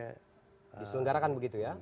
diselenggarakan begitu ya